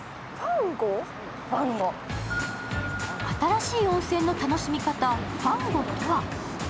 新しい温泉の楽しみ方、ファンゴとは。